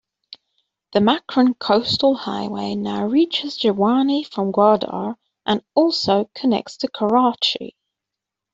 The Makran Coastal Highway now reaches Jiwani from Gwadar and also connects to Karachi.